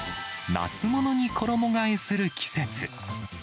夏ものに衣がえする季節。